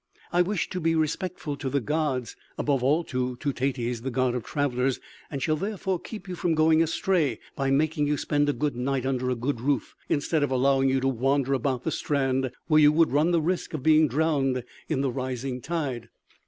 I wish to be respectful to the gods, above all to Teutates, the god of travelers, and shall therefore keep you from going astray by making you spend a good night under a good roof, instead of allowing you to wander about the strand, where you would run the risk of being drowned in the rising tide."